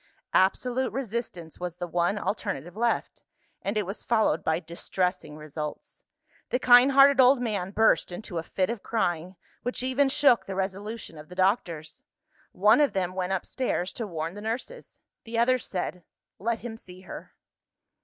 Absolute resistance was the one alternative left and it was followed by distressing results. The kind hearted old man burst into a fit of crying, which even shook the resolution of the doctors. One of them went upstairs to warn the nurses. The other said, "Let him see her."